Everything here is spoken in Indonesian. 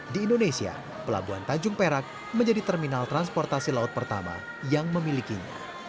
di indonesia pelabuhan tanjung perak menjadi terminal transportasi laut pertama yang memilikinya